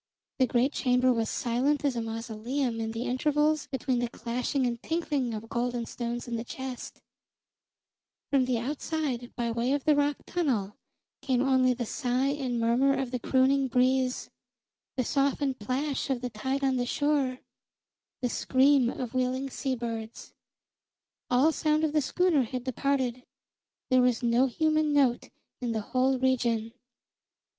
The great chamber was silent as a mausoleum in the intervals between the clashing and tinkling of gold and stones in the chest; from the outside, by way of the rock tunnel, came only the sigh and murmur of the crooning breeze, the softened plash of the tide on the shore, the scream of wheeling seabirds. All sound of the schooner had departed; there was no human note in the whole region.